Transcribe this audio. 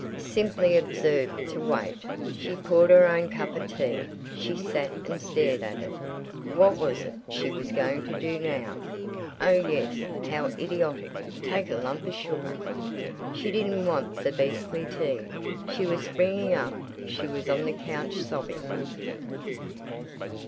Simply absurd to wait. She poured her own cup of tea. She sat and stared at it. What was it she was going to do now? Oh yes; how idiotic; take a lump of sugar. She didn't want the beastly tea. She was springing up. She was on the couch, sobbing.